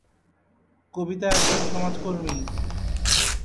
কবিতা একজন সমাজকর্মী।